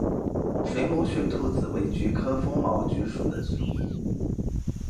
水母雪兔子为菊科风毛菊属的植物。